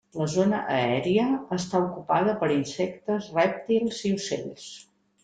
La zona aèria està ocupada per insectes, rèptils i ocells.